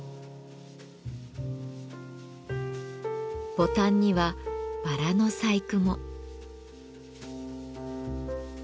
ボタンにはバラの細工も。